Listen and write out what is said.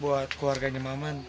buat keluarganya maman